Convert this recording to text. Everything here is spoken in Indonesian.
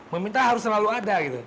meminta harus selalu ada